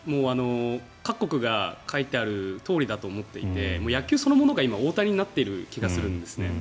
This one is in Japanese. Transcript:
各国が書いてあるとおりだと思っていて野球そのものが今、大谷になっている気がするんですね。